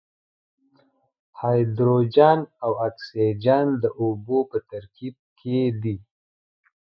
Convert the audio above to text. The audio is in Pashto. هایدروجن او اکسیجن د اوبو په ترکیب کې دي.